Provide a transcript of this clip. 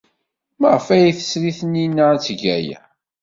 Maɣef ay tesri Taninna ad teg aya?